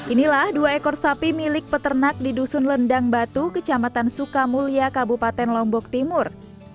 inilah dua ekor sapi milik peternak di dusun lendang batu kecamatan sukamulya kabupaten lombok timur